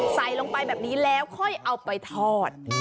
ใส่ลงไปแบบนี้แล้วค่อยเอาไปทอด